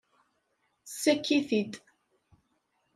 Ssaki-t-id.